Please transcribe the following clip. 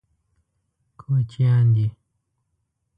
کوچیان دي.